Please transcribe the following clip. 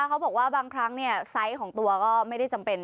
เขาบอกบางครั้งเนี่ยไฟของตัวก็ไม่ได้จำเป็น